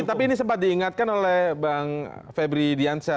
tapi ini sempat diingatkan oleh bang febri diansyah